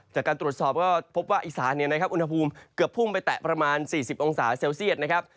จากการตรวจสอบก็พบว่าอีสานเนี่ยนะครับอุณหภูมิเกือบพุ่งไปแตะประมาณ๔๐องศาเซลเซียตนะครับ